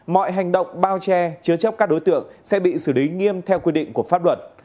mọi hành động bao che chứa chấp các đối tượng sẽ bị xử lý nghiêm theo quy định của pháp luật